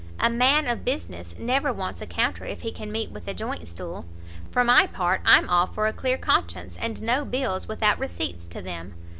A man of business never wants a counter if he can meet with a joint stool. For my part, I'm all for a clear conscience, and no bills without receipts to them."